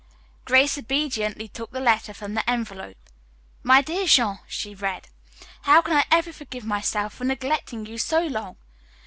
Grace obediently took the letter from the envelope. "My dear Jean:" she read. "How can I ever forgive myself for neglecting you so long?